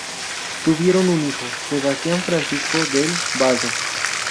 Tuvieron un hijo, Sebastián Francisco del Vado.